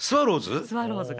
スワローズ？